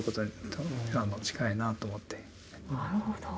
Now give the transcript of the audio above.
なるほど。